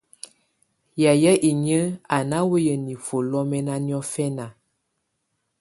Yayɛ̀á inyǝ́ á ná wɛ́ya nifuǝ́ lɔ́mɛna niɔfɛna.